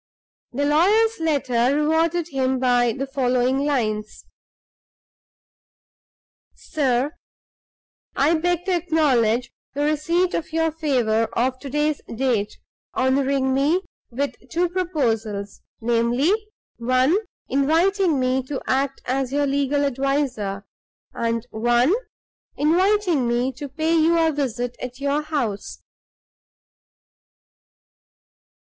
The lawyer's letter rewarded him by the following lines: "SIR I beg to acknowledge the receipt of your favor of to day's date, honoring me with two proposals; namely, ONE inviting me to act as your legal adviser, and ONE inviting me to pay you a visit at your house.